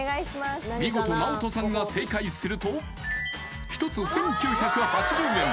見事ＮＡＯＴＯさんが正解すると１つ１９８０円